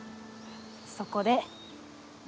そこで。